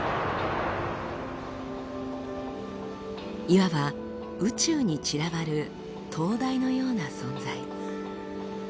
いわば宇宙に散らばる灯台のような存在。